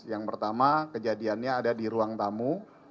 yang pertama kejadiannya ada di ruang tamu